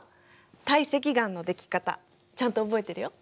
堆積岩のでき方ちゃんと覚えてるよ。